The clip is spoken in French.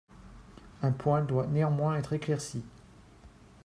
Un point doit néanmoins être éclairci.